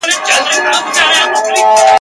دا له زوره ډکي موټي !.